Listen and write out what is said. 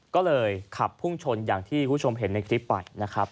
ก็เลยขับพุ่งชนอย่างที่คุณผู้ชมเห็นในคลิปไปนะครับ